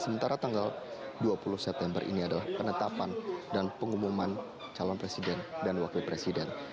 sementara tanggal dua puluh september ini adalah penetapan dan pengumuman calon presiden dan wakil presiden